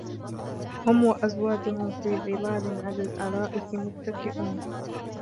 هُمْ وَأَزْوَاجُهُمْ فِي ظِلَالٍ عَلَى الْأَرَائِكِ مُتَّكِئُونَ